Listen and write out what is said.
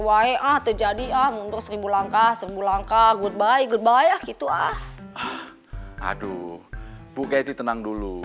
wae atau jadi amur seribu langkah sembuh langkah goodbye goodbye gitu ah aduh bukai tenang dulu